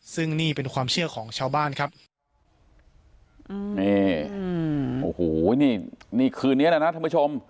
ซึ่งนี่เป็นความเชื่อของชาวบ้านครับอืมนี่อืมโอ้โหนี่นี่คืนนี้แหละนะท่านผู้ชม